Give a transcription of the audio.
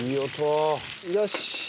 よし。